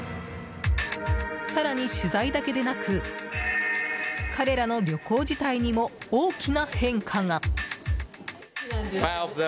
更に、取材だけでなく彼らの旅行自体にも大きな変化が。